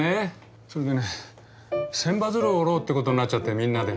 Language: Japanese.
それでね千羽鶴を折ろうってことになっちゃってみんなで。